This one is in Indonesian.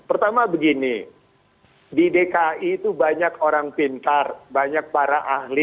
pertama begini di dki itu banyak orang pintar banyak para ahli